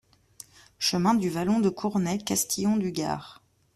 Chemin du Vallon de Cournet, Castillon-du-Gard